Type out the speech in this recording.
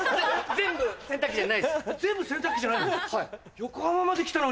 全部洗濯機じゃないの？